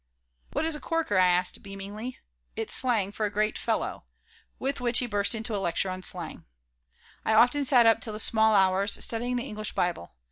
"What is a corker?" I asked, beamingly "It's slang for 'a great fellow.'" With which he burst into a lecture on slang I often sat up till the small hours, studying the English Bible.